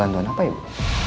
bantuan apa ibu